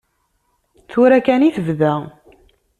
Tura kan i tebda.